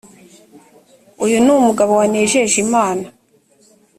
uyu ni umugabo wanejeje imana